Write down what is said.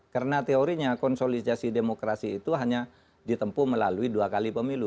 karena teorinya konsolidasi demokrasi itu hanya ditempuh melalui dua kali pemilu